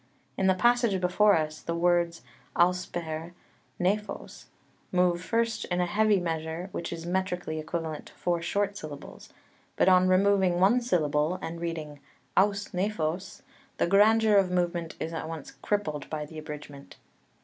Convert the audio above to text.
In the passage before us the words ὥσπερ νέφος move first in a heavy measure, which is metrically equivalent to four short syllables: but on removing one syllable, and reading ὡς νέφος, the grandeur of movement is at once crippled by the abridgment.